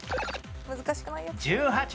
難しくないやつ。